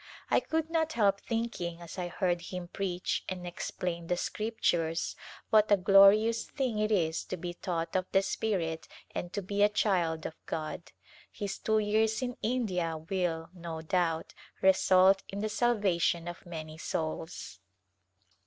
I could not help thinking as I heard him preach and explain the Scriptures what a glorious thing it is to be taught of the Spirit and to be a child of God. His two years in India will, no doubt, result in the salvation of many souls.